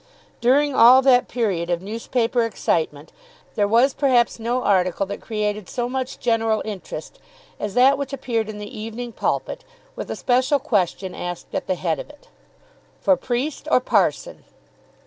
During all that period of newspaper excitement there was perhaps no article that created so much general interest as that which appeared in the "Evening Pulpit," with a special question asked at the head of it, "For Priest or Parson?"